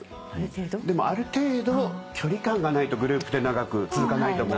でもある程度距離感がないとグループって長く続かないと思うんです。